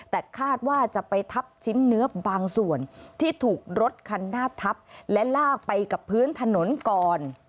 แต่คาดว่าจะไปทับชิ้นเนื้อบางส่วนที่ถูกรถคันหน้าทับและลากไปกับพื้นถนนก่อน